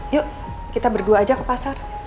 yuk kita berdua aja ke pasar